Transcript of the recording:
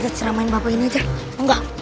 kita ceramain bapak ini aja